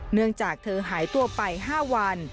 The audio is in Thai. เนื่องจากเธอหายตัวไป๕วัน